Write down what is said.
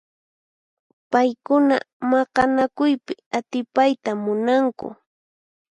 Paykuna maqanakuypi atipayta munanku.